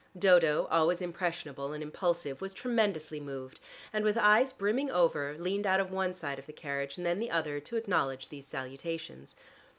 Dodo, always impressionable and impulsive, was tremendously moved, and with eyes brimming over, leaned out of one side of the carriage and then the other to acknowledge these salutations.